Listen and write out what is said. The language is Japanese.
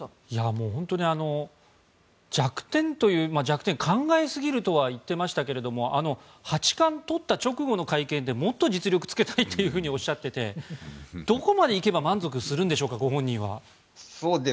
もう本当に弱点という弱点考えすぎるとは言ってましたが八冠を取った直後の会見でもっと実力をつけたいとおっしゃっていてどこまでいけば満足するんでしょうかご本人は。